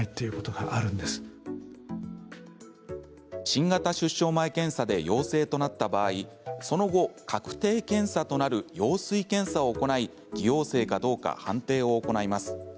新型出生前検査で陽性となった場合、その後確定検査となる羊水検査を行い偽陽性かどうか判定を行います。